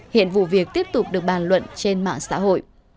hiện vụ việc tiếp tục được bàn luận trên mạng xã hội